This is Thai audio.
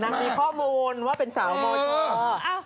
เท่านั้นมีข้อมูลว่าเป็นสาวโมชอ